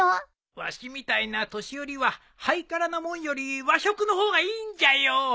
わしみたいな年寄りはハイカラな物より和食の方がいいんじゃよ。